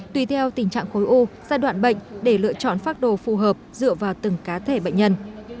tùy theo tình trạng khối u giai đoạn bệnh để lựa chọn phác đồ phù hợp dựa vào từng cá thể bệnh nhân